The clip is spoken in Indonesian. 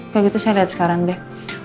kayak gitu saya lihat sekarang deh